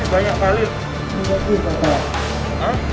banyak kali pak